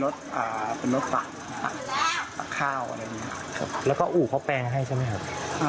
แต่ว่าเขาชอบ